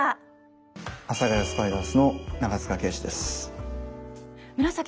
「阿佐ヶ谷スパイダース」の長塚圭史です。